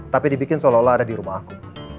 tapi dibikin seolah olah ada di rumah aku